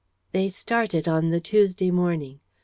They started on the Tuesday morning.